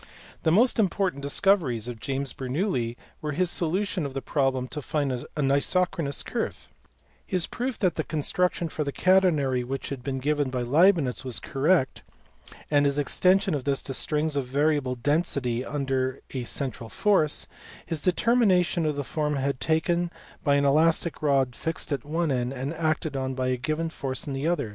The most important discoveries of James Bernoulli were his solution of the problem to find an isochronous curve; his proof that the construction for the catenary which had been given by Leibnitz was correct, and his extension of this to strings of variable density and under a central force ; his de termination of the form taken by an elastic rod fixed at one end and acted on by a given force at the other, the elastica \* See the eloge by B.